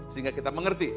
sehingga kita mengerti